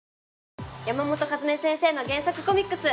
山本和音先生の原作コミックス。